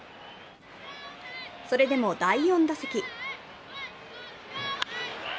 それでも第４打席。